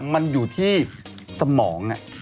มันอยู่ที่สมอง